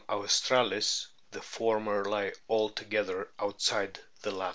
australis the former lie altogether outside the latter.